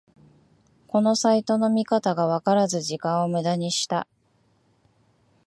このサイトの見方がわからず時間をムダにした